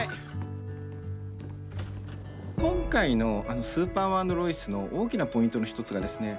今回の「スーパーマン＆ロイス」の大きなポイントの一つがですね